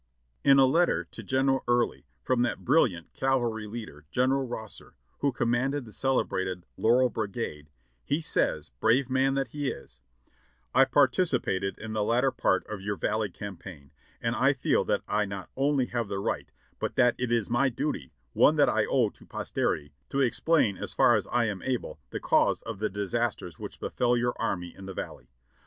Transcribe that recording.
In a letter to General Early from that brilliant cavalry leader Gen eral Rosser, who commanded the celebrated "Laurel Brigade," he says, brave man that he is : "I participated in the latter part of your Valley Campaign, and I feel that I not only have the right, but that it is my duty, one that I owe to posterity, to explain as far as I am able the cause of the disasters which befell your army in the Valley.